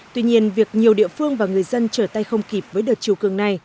tuy nhiên việc nhiều địa phương và người dân trở tay không kịp với đợt chiều cường này